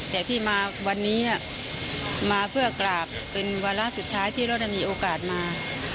แต่พี่มาวันนี้มาเพื่อกราบเป็นวาระสุดท้ายที่เราได้มีโอกาสมา